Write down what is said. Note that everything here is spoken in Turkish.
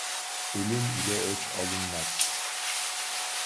Ölüm ile öç alınmaz.